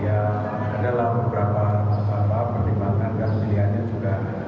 ya adalah beberapa pertimbangan dan pilihannya juga